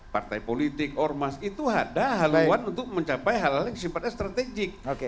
partai politik ormas itu ada haluan untuk mencapai hal hal yang sifatnya strategik